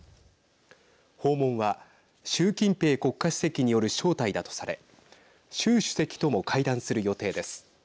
訪問は習近平国家主席による招待だとされ習主席とも会談する予定です。